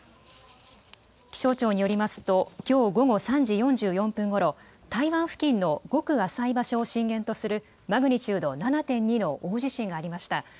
気象庁によりますときょう午後３時４４分ごろ、台湾付近のごく浅い場所を震源とするマグニチュード７．２の大地震がありました。